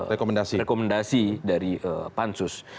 rekomendasi dari pansus